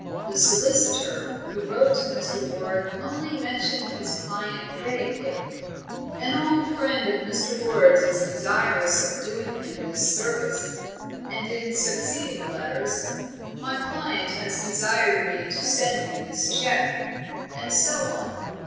The solicitor who wrote to Mr. Ward only mentioned his client vaguely "an old friend of Mr. Ward's is desirous of doing him this service;" and in succeeding letters, "My client has desired me to send you this cheque;" and so on.